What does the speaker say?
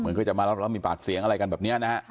เหมือนก็จะมารับแล้วมีปากเสียงอะไรกันแบบเนี้ยนะฮะค่ะ